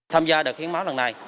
tham gia đợt hiến máu lần này